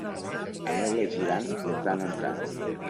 Aneu-la girant de tant en tant.